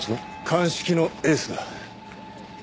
鑑識のエースだ。